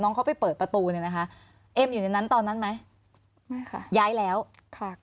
เข้าไปเปิดประตูเนี่ยนะคะเอ็มอยู่ในนั้นตอนนั้นไหมไม่ค่ะย้ายแล้วค่ะ